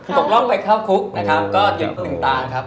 คุณลมตกล่องไปเข้าคุกนะครับก็หยุด๑ตาครับ